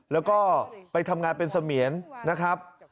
แล้วก็ไปทำงานเป็นเสมียนนะครับ